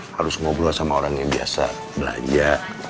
harus ngobrol sama orang yang biasa belanja